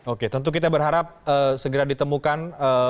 oke tentu kita berharap segera ditemukan